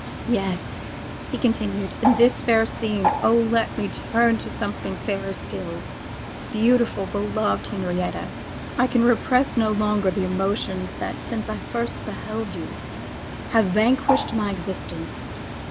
'Yes!' he continued, 'in this fair scene, oh! let me turn to something fairer still. Beautiful, beloved Henrietta, I can repress no longer the emotions that, since I first beheld you, have vanquished my existence.